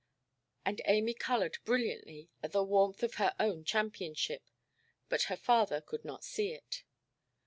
And Amy coloured brilliantly at the warmth of her own championship; but her father could not see it.